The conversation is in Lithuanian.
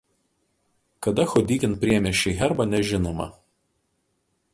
Kada Chodykin priėmė šį herbą nežinoma.